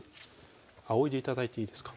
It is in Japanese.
あおいで頂いていいですか？